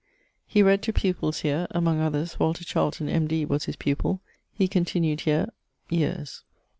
He read to pupils here, (among others, Walter Charlton, M.D., was his pupill): he continued here ... yeares.